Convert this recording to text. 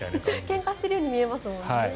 けんかしているように見えますもんね。